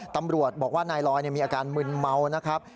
ตำรวจบอกว่านายลอยมีอาการมึนเมานะครับ